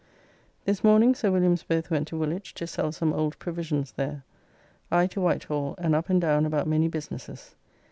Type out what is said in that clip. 7th. This morning Sir Williams both went to Woolwich to sell some old provisions there. I to Whitehall, and up and down about many businesses.